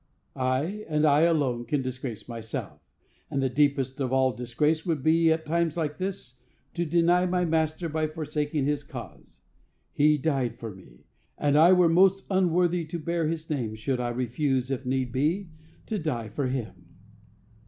I, and I alone, can disgrace myself; and the deepest of all disgrace would be, at a time like this, to deny my Master by forsaking his cause. He died for me; and I were most unworthy to bear his name, should I refuse, if need be, to die for him.